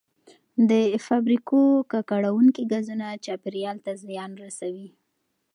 د فابریکو ککړونکي ګازونه چاپیریال ته زیان رسوي.